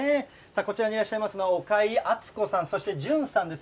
こちらにいらっしゃいますのは、岡井篤子さん、そして潤さんです。